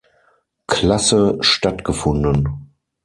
Klasse stattgefunden.